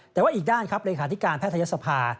แต่ว่าอีกด้านครับเลขาธิการแพทยศภา